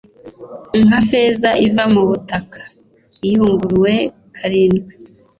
nka feza iva mu butaka iyunguruwe karindwi